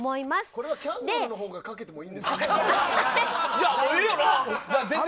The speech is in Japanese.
こちらはキャンドルの方がかけてもいいんですね。